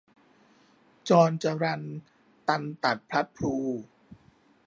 จรจรัลตันตัดพลัดพลู